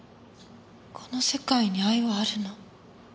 「この世界に愛はあるの？」